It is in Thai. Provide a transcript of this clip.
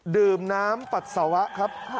ดื่มน้ำปัสสาวะครับ